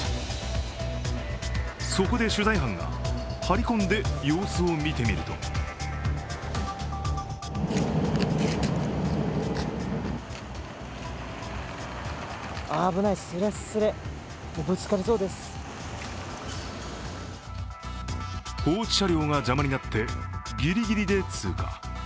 そこで取材班が張り込んで様子を見てみると放置車両が邪魔になってギリギリで通過。